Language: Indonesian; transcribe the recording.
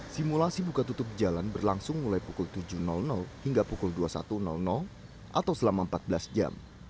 simulasi buka tutup jalan berlangsung mulai pukul tujuh hingga pukul dua puluh satu atau selama empat belas jam